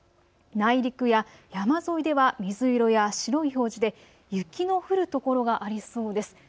内陸や山沿いでは水色や白い表示で雪の降る所がありそうです。